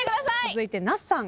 続いて那須さん。